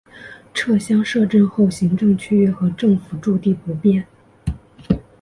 撤乡设镇后行政区域和政府驻地不变。